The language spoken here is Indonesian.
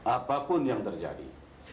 apapun yang terjadi